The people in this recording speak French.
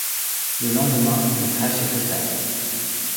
Le lendemain le krach est total.